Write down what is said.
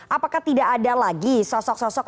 apakah tidak ada lagi sosok sosok